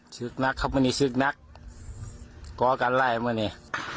ชื่อกนักครับมันนี่ชื่อกนักก็กันไล่มานี่